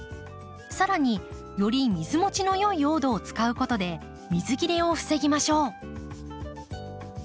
さらにより水持ちの良い用土を使うことで水切れを防ぎましょう。